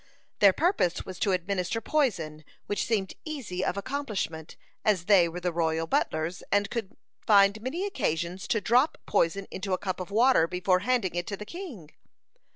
Their purpose was to administer poison, which seemed easy of accomplishment, as they were the royal butlers, and could find many occasions to drop poison into a cup of water before handing it to the king.